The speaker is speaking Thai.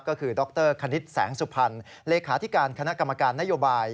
ก็คือดรคณิตแสงสุพรรณเลขาธิการคณะกรรมการนโยบาย